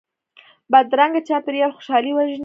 بدرنګه چاپېریال خوشحالي وژني